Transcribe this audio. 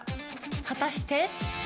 果たして。